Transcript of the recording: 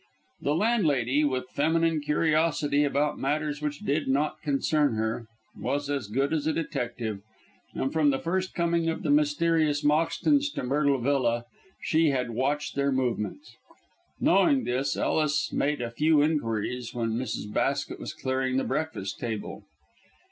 The landlady, with feminine curiosity about matters which did not concern her, was as good as a detective, and from the first coming of the mysterious Moxtons to Myrtle Villa, she had watched their movements. Knowing this, Ellis made a few inquiries when Mrs. Basket was clearing the breakfast table.